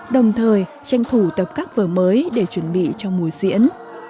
đồng thời tranh thủ tập các vờ mới để chuẩn bị cho mùa diễn